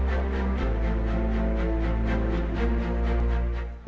akan menjadi kondisi yang lebih baik